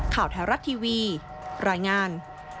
ข่าวธารัชทีวีรายงาน